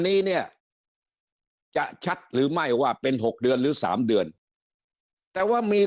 นี้เนี่ยจะชัดหรือไม่ว่าเป็น๖เดือนหรือ๓เดือนแต่ว่ามี